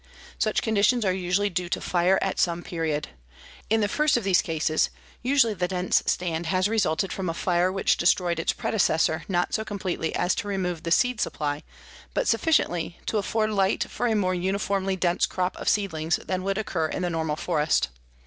Such conditions are usually due to fire at some period. In the first of these cases, usually the dense stand has resulted from a fire which destroyed its predecessor not so completely as to remove the seed supply, but sufficiently to afford light for a more uniformly dense crop of seedlings than would occur in the normal forest.